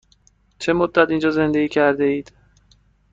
چه مدت اینجا زندگی کرده اید؟